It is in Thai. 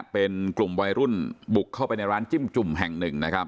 เป็นกลุ่มวัยรุ่นบุกเข้าไปในร้านจิ้มจุ่มแห่งหนึ่งนะครับ